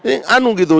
ini anu gitu